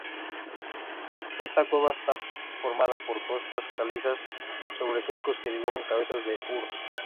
Esta cueva está formada por costras calizas sobre surcos que dibujan cabezas de uros.